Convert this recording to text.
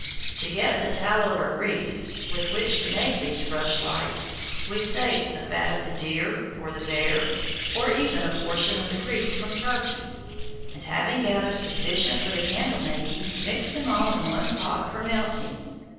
To get the tallow or grease with which to make these rushlights, we saved the fat of the deer, or the bear, or even a portion of the grease from turkeys, and, having gathered sufficient for the candle making, mixed them all in one pot for melting.